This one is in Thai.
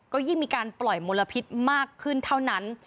ก็ยิ่งมีการปล่อยมลพิษมากขึ้นเท่านั้น